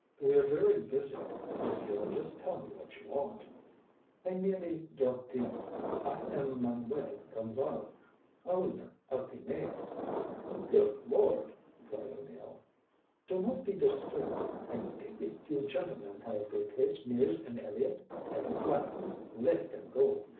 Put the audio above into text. "We are very busy. If you'll just tell me what you want " "I merely dropped in. I am Manuel Gonzale, owner of the Mail." "Good lord!" cried O'Neill. "Do not be disturbed. I take it you gentlemen have replaced Mears and Elliott. I am glad. Let them go.